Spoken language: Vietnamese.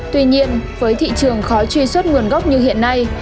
tuy nhiên với thị trường khó truy xuất nguồn gốc như hiện nay